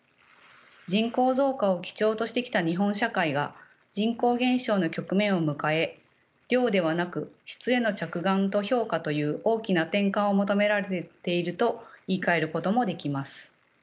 人口増加を基調としてきた日本社会が人口減少の局面を迎え量ではなく質への着眼と評価という大きな転換を求められていると言いかえることもできます。